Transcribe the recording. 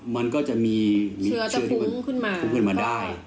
มันก็จะมีเชื้อที่พุ่งขึ้นมาได้